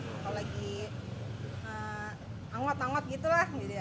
kalau lagi anggot anggot gitu lah